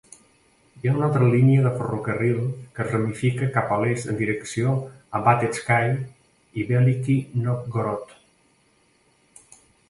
Hi ha una altra línia de ferrocarril que es ramifica cap a l'est en direcció a Batetsky i Veliky Novgorod.